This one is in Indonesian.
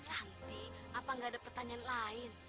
nanti apa nggak ada pertanyaan lain